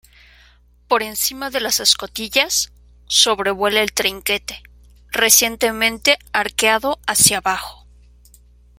Por encima de las escotillas, sobrevuela el trinquete, recientemente arqueado hacia abajo.